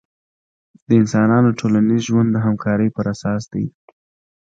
د انسانانو ټولنیز ژوند د همکارۍ پراساس دی.